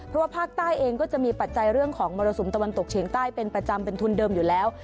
เพราะว่าภาคใต้เองก็จะมีปัจจัยเรื่องของมรสุมตะวันตกเฉียงใต้เป็นประจำเป็นทุนเดิมอยู่แล้ว